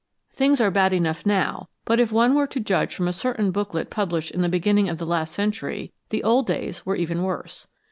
Things are bad enough now, but if one were to judge from a certain booklet published in the beginning of last century, the old days were even worse.